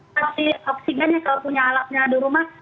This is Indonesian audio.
kasih oksigennya kalau punya alatnya di rumah